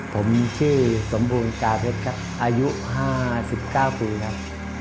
ผมชื่อสมบูรณกาเพชรครับอายุ๕๙ปีครับ